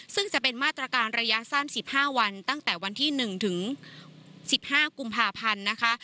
ซึ่งจะเป็นมาตรการระยะสั้น๑๕วันตั้งแต่วันที่๑ถึง๑๕กุมภาพันธ์นะคะ